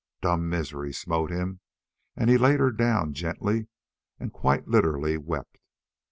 Dumb misery smote him, and he laid her down gently and quite literally wept.